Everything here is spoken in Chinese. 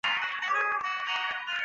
县治安东尼。